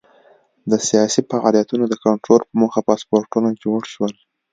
د سیاسي فعالیتونو د کنټرول په موخه پاسپورټونه جوړ شول.